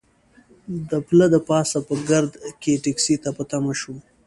د پله د پاسه په ګرد کې ټکسي ته په تمه شوو.